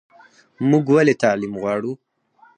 موږ ولې تعلیم غواړو؟